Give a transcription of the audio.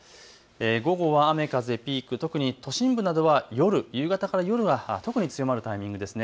午後は雨風ピーク、特に都心部などは夕方から夜が特に強まるタイミングです。